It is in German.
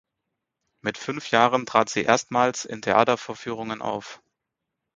Mit fünf Jahren trat sie erstmals in Theatervorführungen auf.